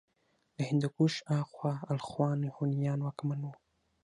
له هندوکش هاخوا الخون هونيان واکمن وو